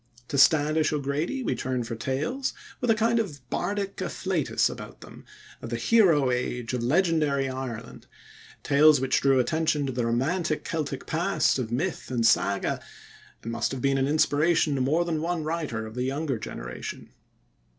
To Standish O'Grady we turn for tales, with a kind of bardic afflatus about them, of the hero age of legendary Ireland tales which drew attention to the romantic Celtic past of myth and saga, and must have been an inspiration to more than one writer of the younger generation.